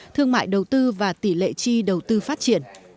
thương mại đầu tư và tỷ lệ chi đầu tư phát triển